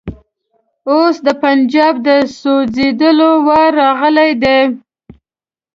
اوس د پنجاب د سوځېدلو وار راغلی دی.